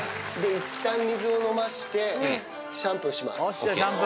いったん水を飲ませて、シャンプーします。ＯＫ。